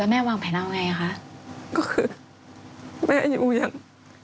แม่วางแผนเอาไงคะก็คือแม่อยู่อย่าง